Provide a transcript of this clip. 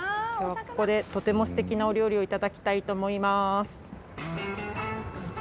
ここでとてもすてきなお料理をいただきたいと思います。